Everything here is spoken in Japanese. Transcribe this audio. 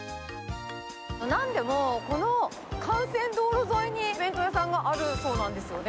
なんでもこの幹線道路沿いに弁当屋さんがあるそうなんですよね。